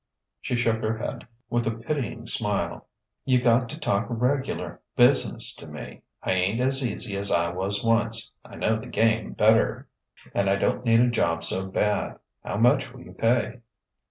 She shook her head with a pitying smile. "You got to talk regular business to me. I ain't as easy as I was once; I know the game better, and I don't need a job so bad. How much will you pay?"